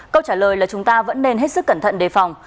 câu trả lời là chúng ta vẫn nên hết sức cẩn thận đề phòng